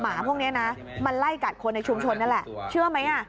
หมาพวกนี้นะมันไล่กัดคนในชุมชนนั่นแหละเชื่อไหมอ่ะ